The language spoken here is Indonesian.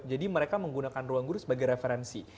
jadi mereka menggunakan ruang guru sebagai referensi